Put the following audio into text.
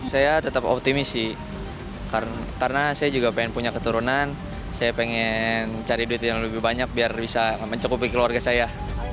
saya tetap optimis sih karena saya juga pengen punya keturunan saya pengen cari duit yang lebih banyak biar bisa mencukupi keluarga saya